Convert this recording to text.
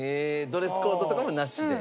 ドレスコードとかもなしで？